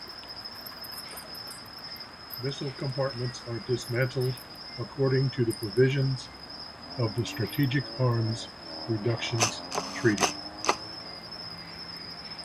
Missile compartments are dismantled according to the provisions of the Strategic Arms Reductions Treaty.